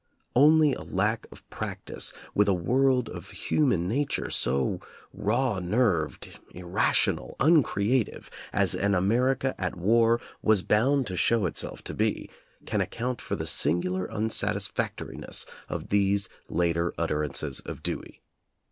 Only a lack of practice with a world of human nature so raw nerved, irrational, uncreative, as an America at war was bound to show itself to be, can account for the singular unsatisfactoriness of these later ut terances of Dewey.